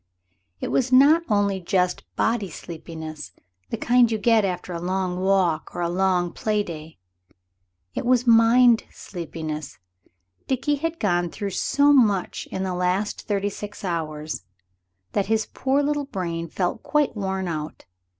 It was not only just body sleepiness: the kind you get after a long walk or a long play day. It was mind sleepiness Dickie had gone through so much in the last thirty six hours that his poor little brain felt quite worn out.